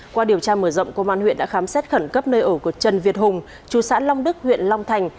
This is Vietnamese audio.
qua điều tra mở rộng công an huyện đã khám xét khẩn cấp nơi ở của trần việt hùng chú xã long đức huyện long thành